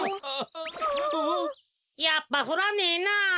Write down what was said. やっぱふらねえな。